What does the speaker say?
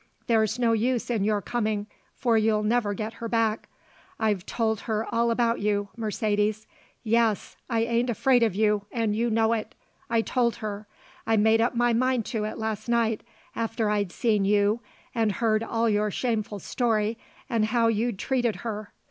There's no use in your coming, for you'll never get her back. I've told her all about you, Mercedes; yes, I ain't afraid of you and you know it; I told her. I made up my mind to it last night after I'd seen you and heard all your shameful story and how you'd treated her.